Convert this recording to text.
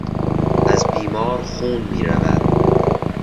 از بیمار خون میرود.